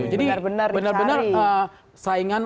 jadi benar benar saingan